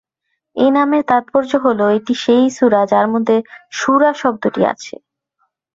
এ নামের তাৎপর্য হলো, এটি সেই সূরা যার মধ্যে শূরা শব্দটি আছে।